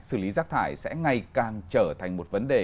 xử lý rác thải sẽ ngày càng trở thành một vấn đề